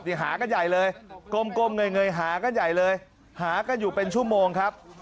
หากันใหญ่เลยกลมเงยหากันใหญ่เลยหากันอยู่เป็นชั่วโมงครับ